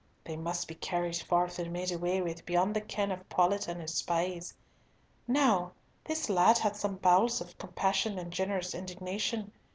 They must be carried forth and made away with beyond the ken of Paulett and his spies. Now, this lad hath some bowels of compassion and generous indignation.